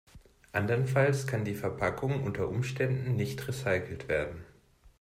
Andernfalls kann die Verpackung unter Umständen nicht recycelt werden.